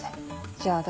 じゃあ私